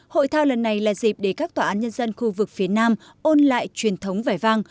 hội thao lần này là dịp để các tòa án nhân dân khu vực phía nam ôn lại truyền thống vẻ vang